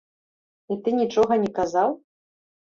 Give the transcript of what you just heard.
І ты нічога не казаў?